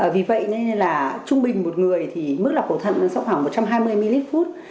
vì vậy nên là trung bình một người thì mức lọc cầu thận nó sống khoảng một trăm hai mươi ml phút